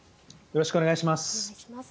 よろしくお願いします。